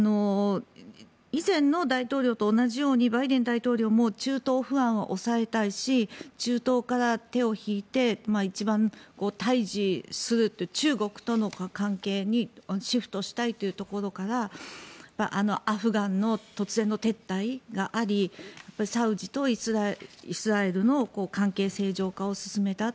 以前の大統領と同じようにバイデン大統領も中東不安を抑えたいし中東から手を引いて一番対峙する中国との関係にシフトしたいというところからアフガンの突然の撤退がありサウジとイスラエルの関係正常化を進めた。